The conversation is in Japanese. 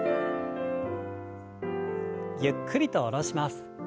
ゆっくりと下ろします。